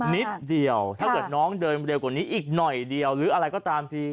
นิดเดียวถ้าเกิดน้องเดินเร็วกว่านี้อีกหน่อยเดียวหรืออะไรก็ตามที